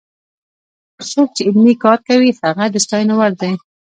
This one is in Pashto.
څوک چې علمي کار کوي هغه د ستاینې وړ دی.